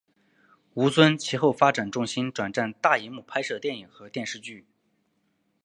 吴尊其后发展重心转战大银幕拍摄电影和电视剧。